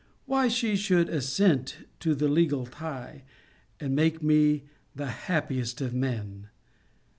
] why she should assent to the legal tie, and make me the happiest of men.